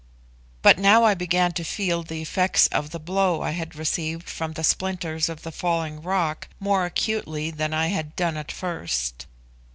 But now I began to feel the effects of the blow I had received from the splinters of the falling rock more acutely that I had done at first.